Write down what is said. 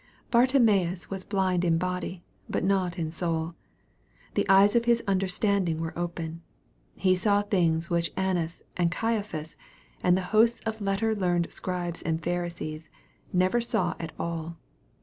Bartimseus was blind in body, but not in soul. The eyes of his understanding were open. He saw things which Annas and Caiaphas, and hosts of letter learned Scribes and Pharisees, never saw at all.